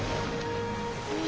うわ。